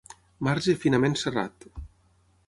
Marge finament serrat.